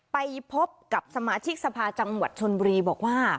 ไปพบกับสมาชิกสภาจังหวัดชนบุรีบอกว่า